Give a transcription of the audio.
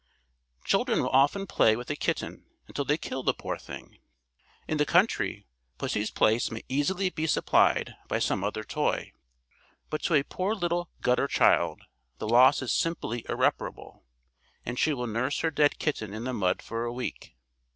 Children will often play with a kitten until they kill the poor thing. In the country, pussy's place may easily be supplied by some other toy; but to a poor little gutter child the loss is simply irreparable, and she will nurse her dead kitten in the mud for a week.